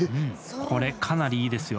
これ、かなりいいですよ。